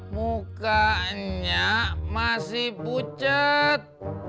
mukanya masih pucet